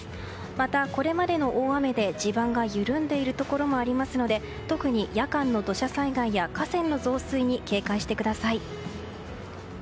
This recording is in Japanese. またこれまでの大雨で地盤が緩んでいるところもありますので特に夜間の土砂災害や河川の増水に警戒してください。